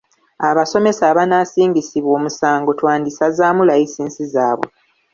Abasomesa abanaasingisibwa omusango twandisazaamu layisinsi zaabwe.